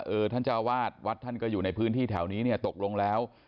เออท่านเจ้าวาดวัดท่านก็อยู่ในพื้นที่แถวนี้เนี่ยตกลงแล้ว